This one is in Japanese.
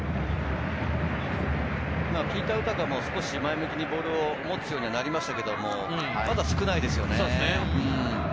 ピーター・ウタカも少し前向きにボールを持つようになりましたけれど、まだ少ないですよね。